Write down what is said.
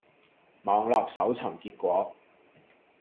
網絡搜尋結果